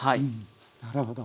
なるほど。